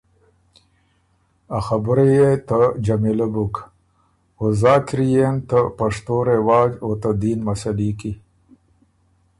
ا خبُره يې ته جمیلۀ بُک، او زاک اِر يېن ته پشتو رواج او ته دین مسلي کی،